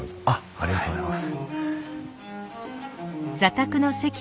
ありがとうございます。